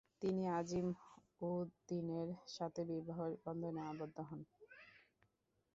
তিনি আজিম-উদ-দীনের সাথে বিবাহ বন্ধনে আবদ্ধ হন।